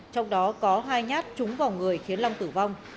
trong đó có hai nhát trúng vào người khiến long tử vong